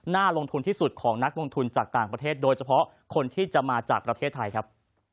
น่าลงทุนที่สุดของนักลงทุนจากต่างประเทศโดยเฉพาะคนที่จะมาจากประเทศไทยครับ